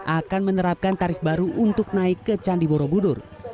akan menerapkan tarif baru untuk naik ke candi borobudur